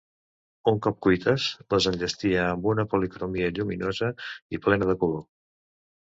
Un cop cuites, les enllestia amb una policromia lluminosa i plena de color.